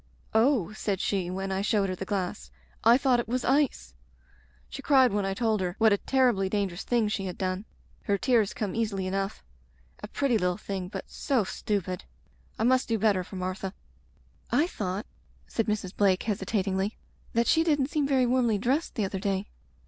'Oh,' said she, when I showed her the glass, 'I thought it was ice I' She cried when I told her what a ter Digitized by LjOOQ IC Broken Glass ribly dangerous thing she had done. Her tears come easily enough. A pretty little thing, but so stupid. I must do better for Martha.'' "I thought/* said Mrs. Blake hesitatingly, "that she didn't seem very warmly dressed the other day."